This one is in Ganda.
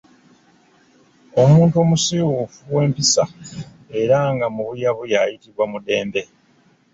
Omuntu omusiiwuufu w’empisa era nga mubuyabuya ayitibwa Mudembe.